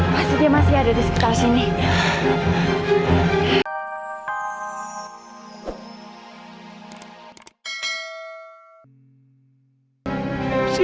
pasti dia masih ada di sekitar sini